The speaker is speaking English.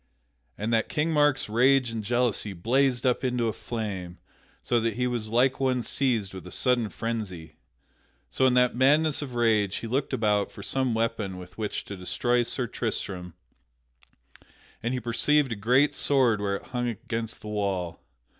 At that King Mark's rage and jealousy blazed up into a flame, so that he was like one seized with a sudden frensy. So, in that madness of rage, he looked about for some weapon with which to destroy Sir Tristram, and he perceived a great sword where it hung against the wall.